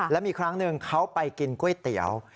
และมีครั้งหนึ่งเขาไปกินก๋วยเตี๋ยว